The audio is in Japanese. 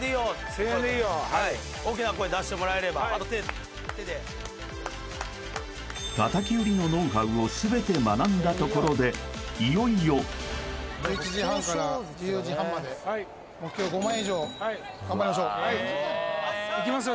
１０００円でいいよはい大きな声出してもらえればあと手手で叩き売りのノウハウを全て学んだところでいよいよ１１時半から１４時半まで目標５万円以上頑張りましょうはいいきますよ